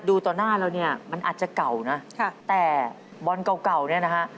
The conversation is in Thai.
ดูตอนหน้าเรามันอาจจะเก่านะแต่บอลเก่านี่นะคะ